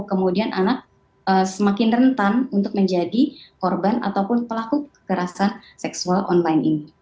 kemudian anak semakin rentan untuk menjadi korban ataupun pelaku kekerasan seksual online ini